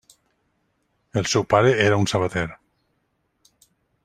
El seu pare era un sabater.